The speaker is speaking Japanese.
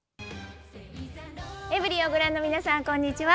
エブリィをご覧の皆さん、こんにちは。